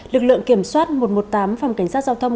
lực lượng kiểm soát một trăm một mươi tám phòng cảnh sát giao thông